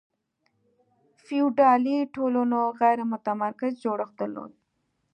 فیوډالي ټولنو غیر متمرکز جوړښت درلود.